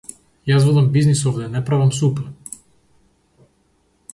Јас водам бизнис овде не правам супа.